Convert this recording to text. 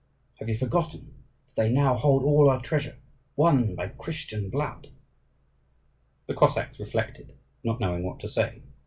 Have you forgotten that they now hold all our treasure, won by Christian blood?" The Cossacks reflected, not knowing what to say.